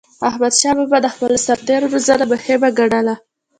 احمدشاه بابا د خپلو سرتېرو روزنه مهمه ګڼله.